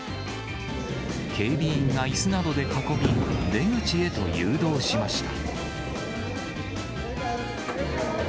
警備員がいすなどで囲み、出口へと誘導しました。